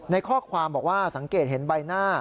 ในข้อความบอกว่าสังเกตเห็นใบหน้า